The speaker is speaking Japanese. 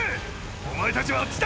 お前たちはあっちだ！